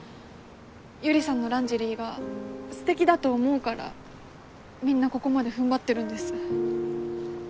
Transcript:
百合さんのランジェリーがステキだと思うからみんなここまで踏ん張ってるんです